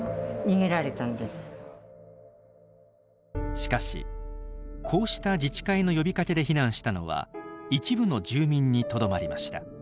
しかしこうした自治会の呼びかけで避難したのは一部の住民にとどまりました。